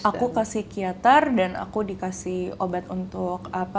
aku ke psikiater dan aku dikasih obat untuk apa